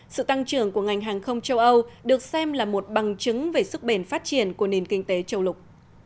sự tăng trưởng của ngành hàng không châu âu được xem là một bằng chứng về sức bền phát triển của nền kinh tế châu lục